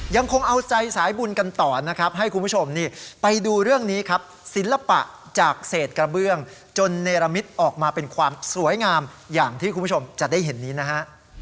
ยังคงเอาใจสายบุญกันต่อนะครับให้คุณผู้ชมนี่ไปดูเรื่องนี้ครับศิลปะจากเศษกระเบื้องจนเนรมิตออกมาเป็นความสวยงามอย่างที่คุณผู้ชมจะได้เห็นนี้นะฮะ